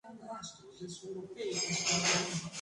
Mucho se ha discutido sobre el acierto de esta calificación.